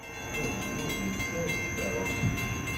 Azrug yeččur d tikeṛṛusin.